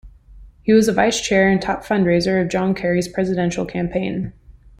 He was a vice-chair and top fund-raiser of John Kerry's presidential campaign.